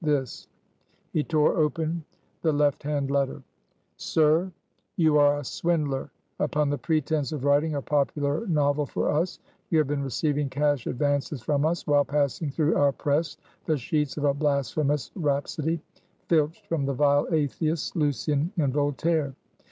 this!" He tore open the left hand letter: "SIR: You are a swindler. Upon the pretense of writing a popular novel for us, you have been receiving cash advances from us, while passing through our press the sheets of a blasphemous rhapsody, filched from the vile Atheists, Lucian and Voltaire.